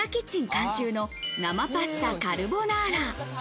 監修の生パスタカルボナーラ。